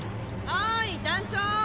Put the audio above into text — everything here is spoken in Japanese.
・おい団長！